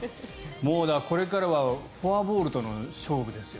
もうこれからはフォアボールとの勝負ですよ。